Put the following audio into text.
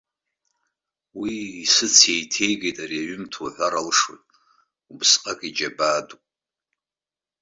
Уи исыцеиҭеигеит ари аҩымҭа уҳәар алшоит, убасҟак иџьабаа адуп.